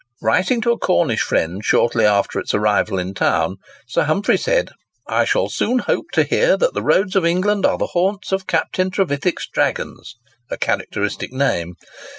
Writing to a Cornish friend shortly after its arrival in town, Sir Humphry said: "I shall soon hope to hear that the roads of England are the haunts of Captain Trevithick's dragons—a characteristic name."